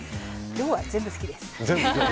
要は、全部好きです。